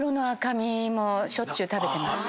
しょっちゅう食べてます。